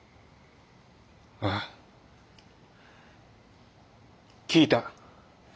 ああ聞いた。